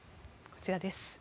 こちらです。